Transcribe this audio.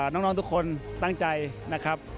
น้องทุกคนตั้งใจนะครับ